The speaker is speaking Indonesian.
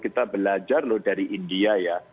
kita belajar loh dari india ya